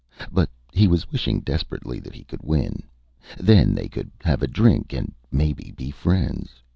But he was wishing desperately that he could win. Then they could have a drink, and maybe be friends.